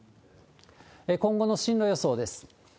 今後の進路予想です。